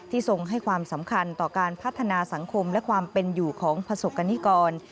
ทรงให้ความสำคัญต่อการพัฒนาสังคมและความเป็นอยู่ของประสบกรณิกร